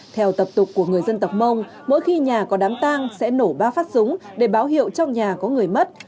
theo tập tục của người dân tộc mông mỗi khi nhà có đám tang sẽ nổ ba phát súng để báo hiệu trong nhà có người mất